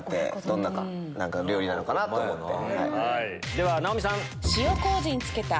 どんな料理なのかなって思って。